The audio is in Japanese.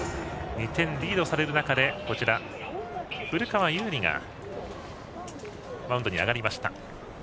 ２点リードされる中でこちら、古川侑利がマウンドに上がりました。